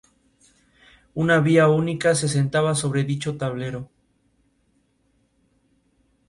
Participó en el concurso "¿Sabes más que un niño de primaria?